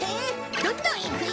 どんどんいくよ！